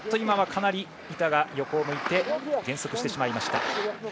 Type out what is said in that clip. かなり板が横を向いて減速してしまいました。